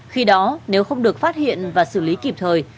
khi đó nếu không được phát hiện và xử lý kịp thời